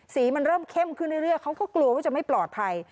สีมันเริ่มเข้มขึ้นเรื่อยเขาก็กลัวว่าจะไม่ปลอดภัย